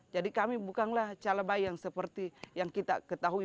jadi kami bukanlah calabai yang seperti yang kita ketahui